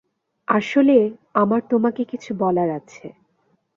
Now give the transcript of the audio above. আসলে, আমার তোমাকে কিছু বলার আছে।